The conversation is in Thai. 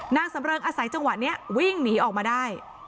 นางสำเริงอาศัยจังหวะนี้วิ่งหนีออกมาได้